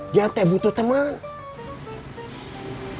jatah butuh teman